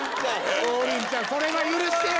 王林ちゃんそれは許してよ。